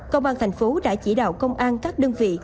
công an tp hcm đã chỉ đạo công an các đơn vị